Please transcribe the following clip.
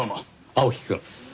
青木くん。